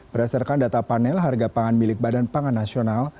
berdasarkan data panel harga pangan milik badan pangan nasional